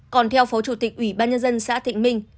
còn theo phó chủ tịch ủy ban nhân dân xã thịnh minh